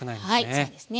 はいそうですね。